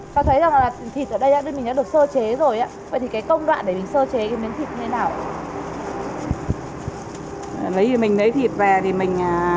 con thấy rằng là thịt ở đây mình đã được sơ chế rồi ấy vậy thì cái công đoạn để mình sơ chế cái miếng thịt như thế nào